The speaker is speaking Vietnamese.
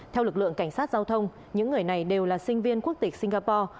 theo lực lượng cảnh sát giao thông những người này đều là sinh viên quốc tịch singapore